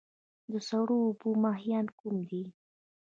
د سړو اوبو ماهیان کوم دي؟